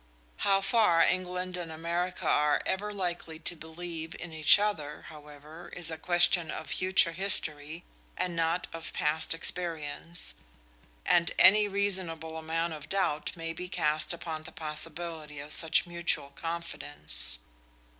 How far England and America are ever likely to believe in each other, however, is a question of future history and not of past experience, and any reasonable amount of doubt may be cast upon the possibility of such mutual confidence.